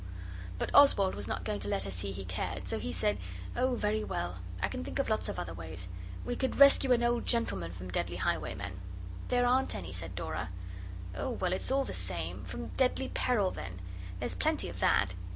But Oswald was not going to let her see he cared, so he said 'Oh, very well. I can think of lots of other ways. We could rescue an old gentleman from deadly Highwaymen.' 'There aren't any,' said Dora. 'Oh, well, it's all the same from deadly peril, then. There's plenty of that.